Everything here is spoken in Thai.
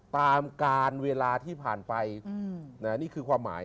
ตามการเวลาที่ผ่านไปนี่คือความหมาย